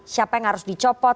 siapa yang harus dicopot